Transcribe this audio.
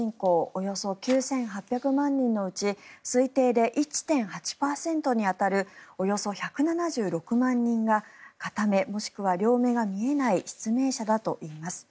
およそ９８００万人のうち推定１．８％に当たるおよそ１７６万人が片目、もしくは両目が見えない失明者だといいます。